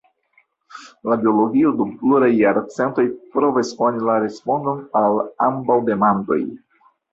La biologio dum pluraj jarcentoj provas koni la respondon al ambaŭ demandoj.